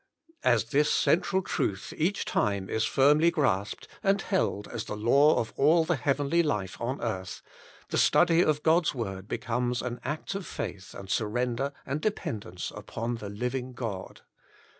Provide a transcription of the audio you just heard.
As this central truth each time is firmly grasped and held as the law of all the heavenly life on earth, the study of God^s word becomes an act of faith and surrender and dependence upon the living God.